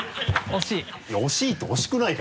惜しい。